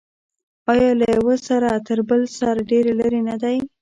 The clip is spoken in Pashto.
آیا له یوه سر تر بل سر ډیر لرې نه دی؟